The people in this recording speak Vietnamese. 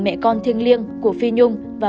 mẹ con thiêng liêng của phi nhung và